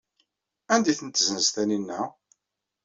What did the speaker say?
Anda ay tent-tessenz Taninna?